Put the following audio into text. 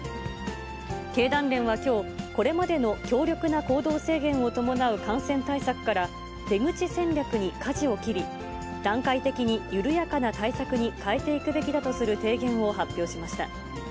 経団連はきょう、これまでの強力な行動制限を伴う感染対策から、出口戦略にかじを切り、段階的に緩やかな対策に変えていくべきだとする提言を発表しました。